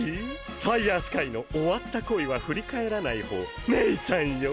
ファイヤースカイの終わった恋は振り返らないほうネイサンよ！